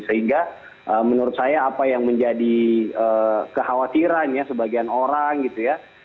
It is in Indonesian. sehingga menurut saya apa yang menjadi kekhawatiran ya sebagian orang gitu ya